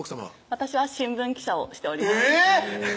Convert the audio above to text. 私は新聞記者をしておりますえぇっ！